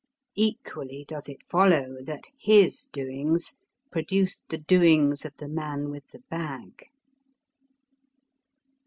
Equally does it follow that his doings produced the doings of the man with the bag.